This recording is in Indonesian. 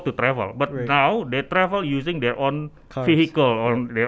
tapi sekarang mereka berjalan menggunakan kendaraan mereka sendiri